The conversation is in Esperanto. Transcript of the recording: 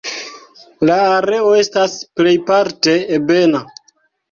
La areo estas plejparte ebena.